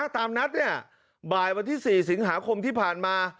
ตามนัดเนี่ยบ่ายวันที่๔สิงหาคมที่ผ่านมา